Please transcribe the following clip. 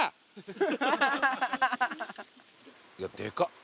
いやでかっ。